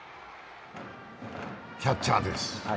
キャッチャーです。